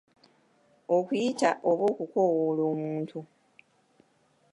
Okuyita oba okukoowoola omuntu.